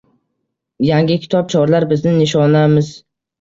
Yangi kitob: “Chorlar bizni «Nishona”miz»